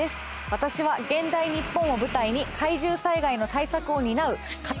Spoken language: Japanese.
私は現代日本を舞台に禍威獣災害の対策を担う禍